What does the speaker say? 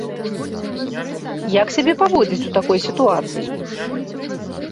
Як сябе паводзіць у такой сітуацыі?